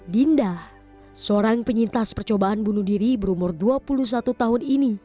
dinda seorang penyintas percobaan bunuh diri berumur dua puluh satu tahun ini